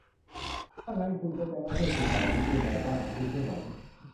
ถ้างั้นคุณก็จะไม่ให้สิ่งเหล่านี้คืนนายจ้างของคุณใช่มั้ย